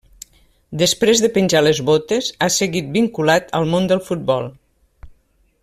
Després de penjar les botes, ha seguit vinculat al món del futbol.